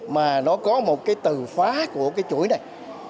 mà nó có một cái từ phá của cái chuỗi này